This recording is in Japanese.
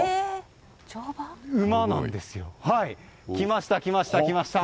馬なんですよ。来ました、来ました。